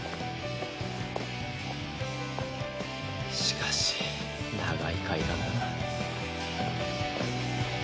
しかし長い階段だな。